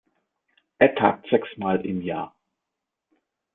Er tagt sechsmal im Jahr.